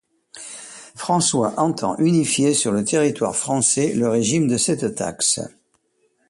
François entend unifier sur le territoire français le régime de cet taxe.